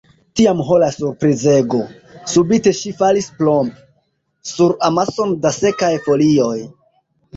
Tiam, ho, la surprizego!, subite ŝi falis plomp! sur amason da sekaj folioj.